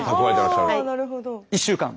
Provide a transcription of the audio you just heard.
あなるほど。